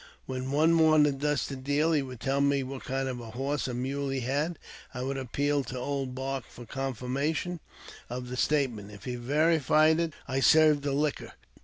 When one wanted thus to deal, he would tell me what kind of a horse or mule he had : I would appeal to Old Bark for confirmation of the statement ; if he verified it, I served the liquor.